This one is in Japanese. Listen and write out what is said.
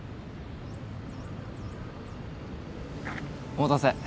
お待たせ。